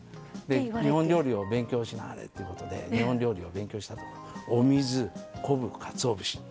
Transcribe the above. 日本料理を勉強しなはれっていうことで日本料理を勉強した時にお水昆布かつお節